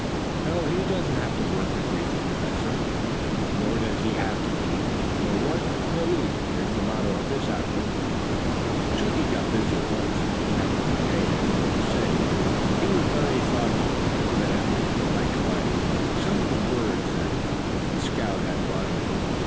"No, he doesn't have to work," agreed the professor. "Nor does he have to eat. No work, no eat, is the motto of this outfit." Chunky got busy at once. Captain McKay had little to say. He was very thoughtful, evidently perplexed by some word that his scout had brought him.